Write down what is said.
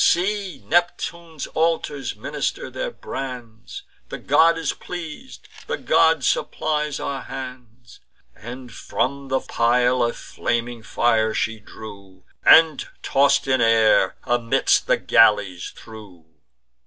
See! Neptune's altars minister their brands: The god is pleas'd; the god supplies our hands." Then from the pile a flaming fire she drew, And, toss'd in air, amidst the galleys threw.